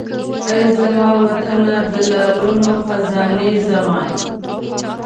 ای زما وطنه د لعلونو خزانې زما!